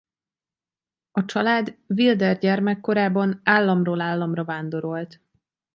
A család Wilder gyermekkorában államról államra vándorolt.